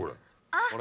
あっ。